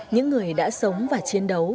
những người đã sống và chiến đấu